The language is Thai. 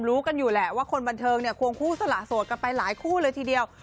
รู้กันอยู่แหละว่าคนบันเทิงเนี่ยควงคู่สละโสดกันไปหลายคู่เลยทีเดียว